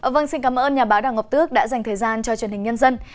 vâng xin cảm ơn nhà báo đảng ngọc tước đã dành thời gian cho truyền hình nhân dân